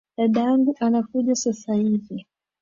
Dadangu anakuja sasa hivi